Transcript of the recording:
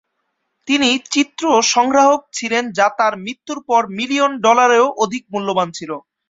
তিনি চিত্র সংগ্রাহক ছিলেন যা তার মৃত্যুর পর মিলিয়ন ডলারেরও অধিক মূল্যবান ছিল।